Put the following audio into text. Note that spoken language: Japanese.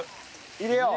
入れよう。